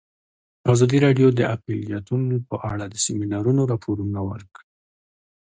ازادي راډیو د اقلیتونه په اړه د سیمینارونو راپورونه ورکړي.